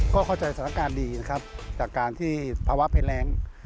ก็เข้าใจสถานการณ์ดีนะครับจากการที่ภาวะภัยแรง